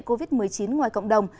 covid một mươi chín ngoài cộng đồng